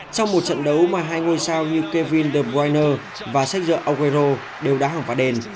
trong một trận đấu mà hai ngôi sao như kevin de bruyne và sergio aguero đều đã hỏng phá đền